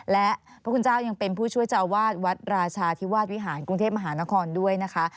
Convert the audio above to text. และพระคุณเจ้ายังเป็นผู้ช่วยเจ้าอาวาสวัดราชาธิวาสวิหารกรุงเทพมหานครด้วยนะคะ